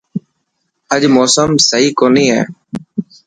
اڄ موسم سهي ڪوني هي.